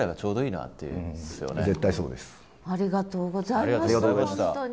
ありがとうございました本当に。